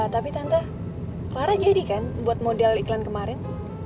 tapi tante clara jadi kan buat model iklan kemarin